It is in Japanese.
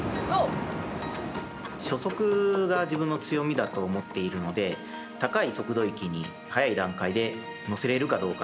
初速が自分の強みだと思っているので高い速度域に早い段階で乗せられるかどうか。